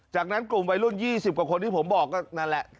จากนั้นกลุ่มวัยรุ่น๒๐กว่าคนที่ผมบอกก็นั่นแหละ